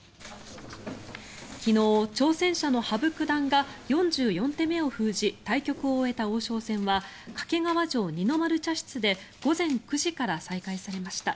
昨日、挑戦者の羽生九段が４４手目を封じ対局を終えた王将戦は掛川城二の丸茶室で午前９時から再開されました。